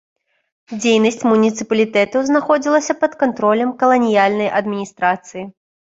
Дзейнасць муніцыпалітэтаў знаходзілася пад кантролем каланіяльнай адміністрацыі.